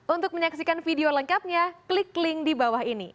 untuk menyaksikan video lengkapnya klik link di bawah ini